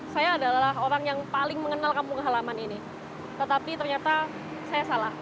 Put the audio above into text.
saya adalah orang yang paling mengenal kampung halaman ini tetapi ternyata saya salah